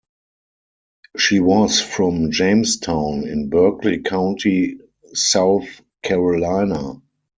She was from Jamestown in Berkeley County, South Carolina.